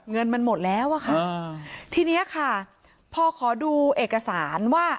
เงินมันหมดแล้วอะค่ะทีนี้ค่ะพอขอดูเอกสารว่า